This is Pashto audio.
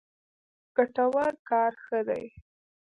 ګټور کار ښه دی.